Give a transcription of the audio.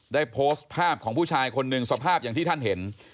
ได้โพสต์ภาพของผู้ชายคนหนึ่งสภาพอย่างที่ท่านเห็น